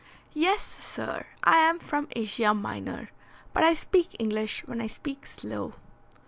"Yes, sir. I am from Asia Minor, but I speak English when I speak slow."